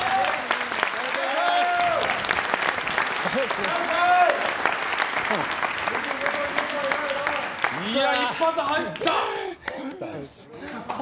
いや、一発入った。